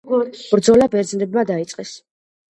ბრძოლა ბერძნებმა დაიწყეს.